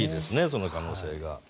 その可能性が。